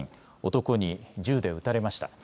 男に銃で撃たれました。